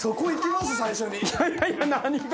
いやいやいや何が？